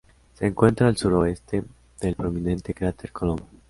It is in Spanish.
Se encuentra al sur-suroeste del prominente cráter Colombo.